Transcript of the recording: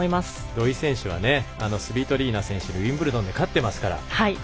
土居選手はスビトリーナ選手にウィンブルドンで勝っていますから。